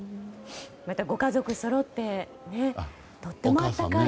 また、ご家族そろってとっても温かい。